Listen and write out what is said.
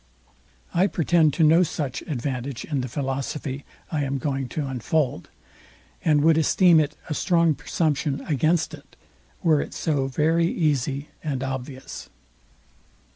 I pretend to no such advantage in the philosophy I am going to unfold, and would esteem it a strong presumption against it, were it so very easy and obvious.